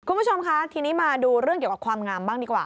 คุณผู้ชมคะทีนี้มาดูเรื่องเกี่ยวกับความงามบ้างดีกว่า